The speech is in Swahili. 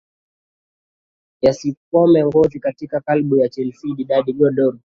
yesukuma ngozi katika klabu ya chelsea didier drogba